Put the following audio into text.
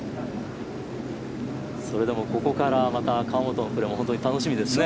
それでもここからまた河本のプレーも本当に楽しみですね。